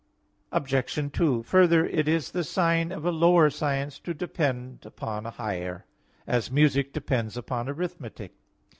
Obj. 2: Further, it is the sign of a lower science to depend upon a higher; as music depends on arithmetic.